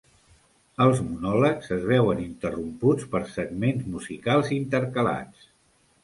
Els monòlegs es veuen interromputs per segments musicals intercalats.